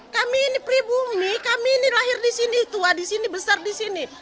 kami ini pribumi kami ini lahir di sini tua di sini besar di sini